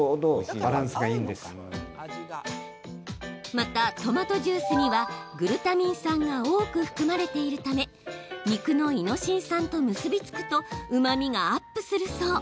また、トマトジュースにはグルタミン酸が多く含まれているため肉のイノシン酸と結び付くとうまみがアップするそう。